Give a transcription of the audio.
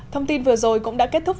thông tin vừa rồi cũng đã kết thúc